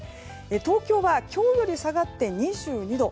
東京は今日より下がって２２度。